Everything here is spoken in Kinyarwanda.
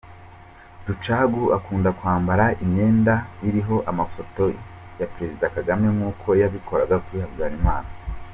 Rucagu akunda kwambara imyenda iriho amafoto ya Perezida Kagame nk’uko yabikoraga kuri Habyarimana.